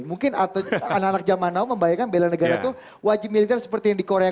mungkin atau anak anak zaman now membayangkan bela negara itu wajib militer seperti yang di korea